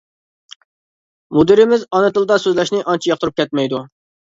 مۇدىرىمىز ئانا تىلىدا سۆزلەشنى ئانچە ياقتۇرۇپ كەتمەيدۇ.